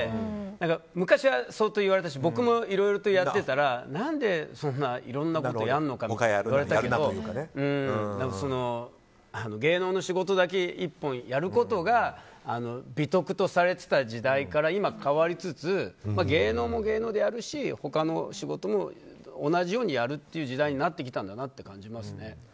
だから、昔は相当言われたし僕もいろいろやってたらなぜそんないろいろやるのかとか言われたけど芸能の仕事だけ一本やることが美徳とされてた時代から今は変わりつつあって芸能も芸能でやるし他の仕事も同じようにやるという時代になってきたんだなと感じますね。